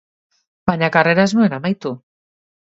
Baina karrera ez nuen amaitu.